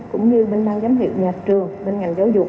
cũng như bên bang giám hiệu nhà trường bên ngành giáo dục